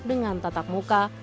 dengan tatap muka